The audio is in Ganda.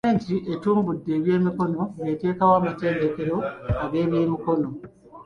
Gavumenti etumbudde eby'emikono ng'eteekawo amatendekero g'ebyemikono.